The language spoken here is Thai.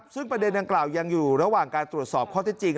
ซึ่งประเด็นดังกล่าวยังอยู่ระหว่างการตรวจสอบข้อที่จริง